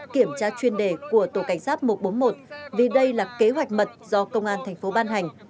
tài xế này đã được kiểm tra chuyên đề của tổ cảnh sát một trăm bốn mươi một vì đây là kế hoạch mật do công an tp ban hành